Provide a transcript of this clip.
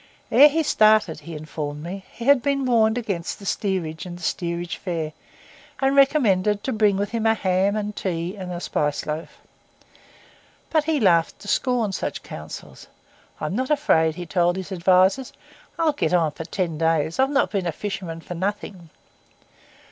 Ere he started, he informed me, he had been warned against the steerage and the steerage fare, and recommended to bring with him a ham and tea and a spice loaf. But he laughed to scorn such counsels. 'I'm not afraid,' he had told his adviser; 'I'll get on for ten days. I've not been a fisherman for nothing.